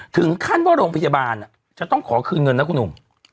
ถึงขั้นว่าโรงพยาบาลจะต้องขอคืนเงินนะคุณหนุ่ม